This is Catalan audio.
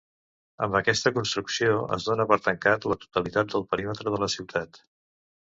Amb aquesta construcció es donà per tancat la totalitat del perímetre de la ciutat.